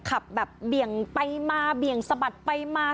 ขับแบบเบี่ยงไปมาเบี่ยงสะบัดไปมา